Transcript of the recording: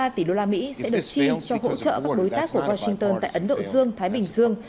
bốn tám mươi ba tỷ đô la mỹ sẽ được chi cho hỗ trợ các đối tác của washington tại ấn độ dương thái bình dương